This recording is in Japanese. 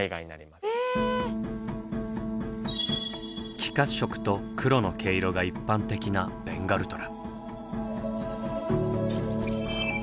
黄褐色と黒の毛色が一般的なベンガルトラ。